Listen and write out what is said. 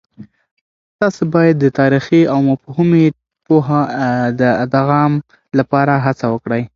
تاسې باید د تاريخي او مفهومي پوهه د ادغام لپاره هڅه وکړئ.